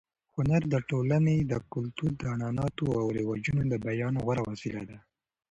هنر د ټولنې د کلتور، عنعناتو او رواجونو د بیان غوره وسیله ده.